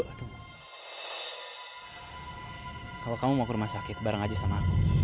kalau kamu mau rumah sakit bareng aja sama